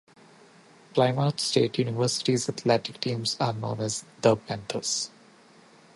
Plymouth State University's athletic teams are known as the Panthers.